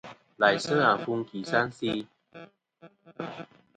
Laysɨ àfuŋ ki sɨ a se'i.